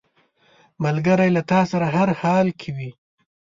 ملګری له تا سره هر حال کې وي